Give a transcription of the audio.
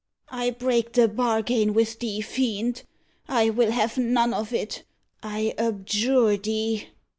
"I break the bargain with thee, fiend. I will have none of it. I abjure thee."